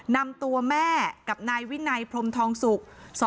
นำตัวแม่กับนายวินัยพรมทองสุก